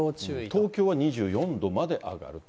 東京は２４度まで上がると。